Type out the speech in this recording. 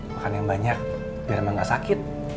makan yang banyak biar emang gak sakit